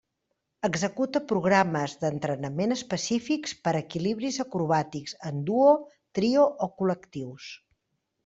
Executa programes d'entrenament específics per equilibris acrobàtics en duo, trio o col·lectius.